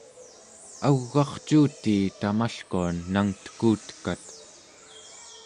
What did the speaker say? au͡g'arcuutii tamalkuan nangtekutekat